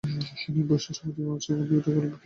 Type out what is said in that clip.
তিনি বৈশ্য সমিতির মাসিক দুই টাকা বৃত্তিও লাভ করেন।